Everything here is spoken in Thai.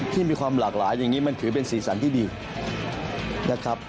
ที่มีความหลากหลายอย่างนี้มันถือเป็นสีสันที่ดีนะครับ